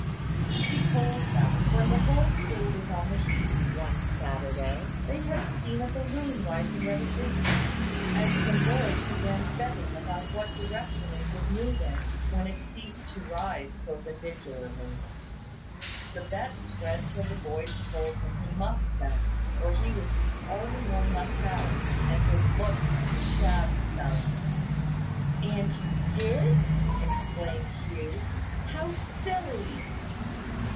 He told that, when the whole school was on the heath, one Saturday, they had seen a balloon rising at a distance, and some boys began betting about what direction it would move in when it ceased to rise perpendicularly. The betting spread till the boys told him he must bet, or he would be the only one left out, and would look like a shabby fellow. "And you did?" exclaimed Hugh. "How silly!"